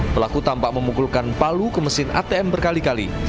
pelaku tampak memukulkan palu ke mesin atm berkali kali